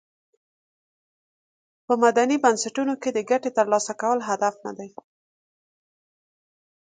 په مدني بنسټونو کې د ګټې تر لاسه کول هدف ندی.